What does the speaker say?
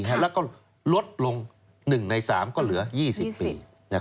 แล้วลดลง๑ใน๓ก็เหลือ๒๐ปี